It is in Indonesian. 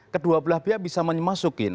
kedua belah biaya bisa memasukin